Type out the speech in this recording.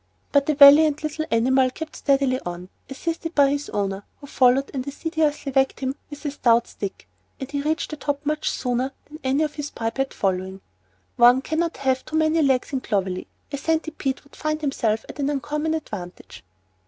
But the valiant little animal kept steadily on, assisted by his owner, who followed and assiduously whacked him with a stout stick, and he reached the top much sooner than any of his biped following. One cannot have too many legs in Clovelly, a centipede would find himself at an uncommon advantage.